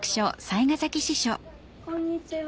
こんにちは。